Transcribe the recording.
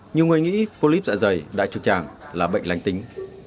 nhiều người nghĩ phô líp dạ dày đại trực tràng là bệnh lành tính